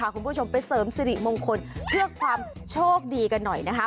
คุณผู้ชมไปเสริมสิริมงคลเพื่อความโชคดีกันหน่อยนะคะ